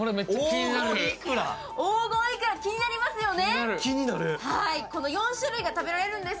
黄金いくら、気になりますよね。